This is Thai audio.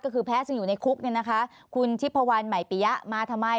ก็คือแพ้ซึ่งอยู่ในคุกเนี่ยนะคะคุณทิพพวันใหม่ปิยะมาทำไม